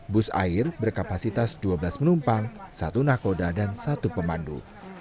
bus air berkapasitas dua belas penumpang satu nakoda dan satu pemandu